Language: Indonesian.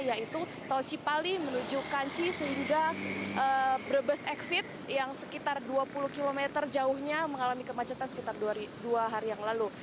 yaitu tol cipali menuju kanci sehingga brebes exit yang sekitar dua puluh km jauhnya mengalami kemacetan sekitar dua hari yang lalu